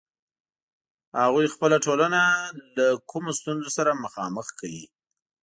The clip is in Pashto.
هغوی خپله ټولنه له کومو ستونزو سره مخامخ کوي.